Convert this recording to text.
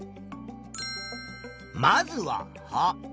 まずは葉。